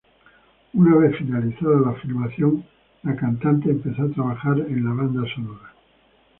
Una vez finalizada la filmación, la cantante empezó a trabajar en la banda sonora.